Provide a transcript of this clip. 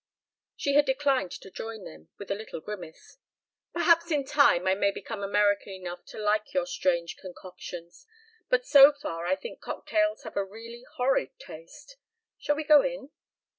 She had declined to join them, with a little grimace. "Perhaps in time I may become American enough to like your strange concoctions, but so far I think cocktails have a really horrid taste. Shall we go in?"